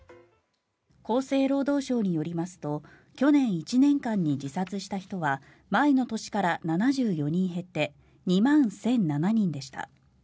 厚生労働省によりますと去年１年間に自殺した人は前の年から７４人減って２万１００７人でした。